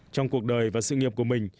trong cuộc đời và sự nghiệp của mình